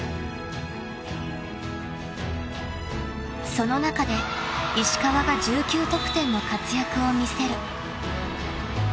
［その中で石川が１９得点の活躍を見せる］